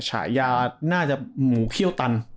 ฉายาน่าจะหมูเขี้ยวตัน